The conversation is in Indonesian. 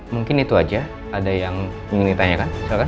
mungkin itu aja ada yang ingin ditanyakan